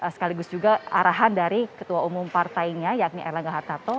sekaligus juga arahan dari ketua umum partainya yakni erlangga hartarto